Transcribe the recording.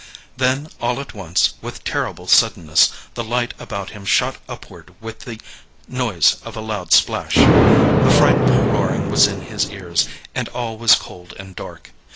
Then all at once, with terrible suddenness, the light about him shot upward with the noise of a loud splash; a frightful roaring was in his ears, and all was cold and dark.